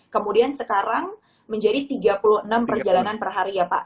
kemudian sekarang menjadi tiga puluh enam perjalanan per hari ya pak